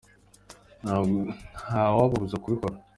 ntawababuza kubikora.